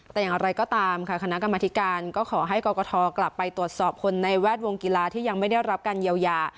แต่อย่างไรก็ตามค่ะคณะกรรมธิการก็ขอให้กรกฐกลับไปตรวจสอบคนในแวดวงกีฬาที่ยังไม่ได้รับการเยียวยา